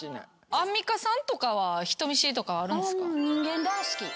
アンミカさんとかは人見知りとかあるんですか？